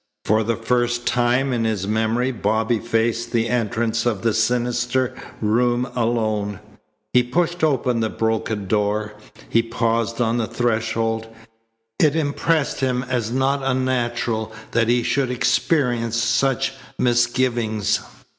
For the first time in his memory Bobby faced the entrance of the sinister room alone. He pushed open the broken door. He paused on the threshold. It impressed him as not unnatural that he should experience such misgivings.